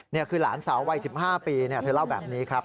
เนี่ยคือหลานเสาวาย๑๕ปีเนี่ยเธอเล่าแบบนี้ครับ